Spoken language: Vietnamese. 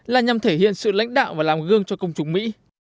là nhằm thể hiện sự lãnh đạo và làm gương cho công chúng mỹ